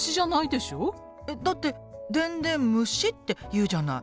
だってでんでんむしっていうじゃない。